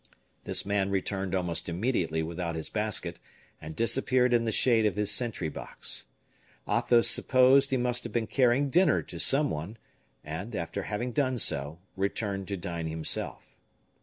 This man returned almost immediately without his basket, and disappeared in the shade of his sentry box. Athos supposed he must have been carrying dinner to some one, and, after having done so, returned to dine himself.